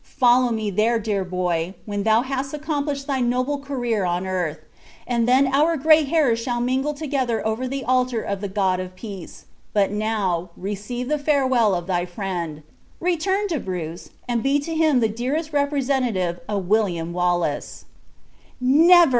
Follow me there, dear boy, when thou hast accomplished thy noble career on earth, and then our gray hairs shall mingle together over the altar of the God of Peace; but now receive the farewell of thy friend. Return to Bruce, and be to him the dearest representative of William Wallace." "Never!"